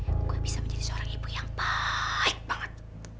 dan gue gue bisa menjadi seorang ibu yang baik banget